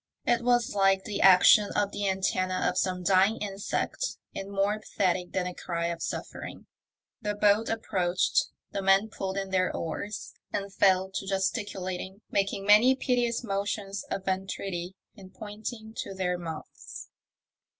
It was like the action of the antennae of some dying insect, and more pathetic than a cry of suffering. The boat approached, the men pulled in their oars, and fell to gesticulating, making many piteous motions of entreaty, and pointing to their mouths.